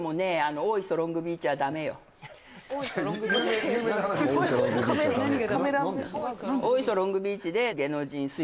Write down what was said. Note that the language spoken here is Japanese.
大磯ロングビーチでいや